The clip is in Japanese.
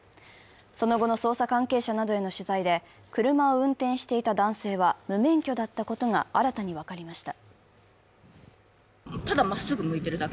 その後の捜査関係者などへの取材で車を運転していた男性は無免許だったことが新たに分かりました。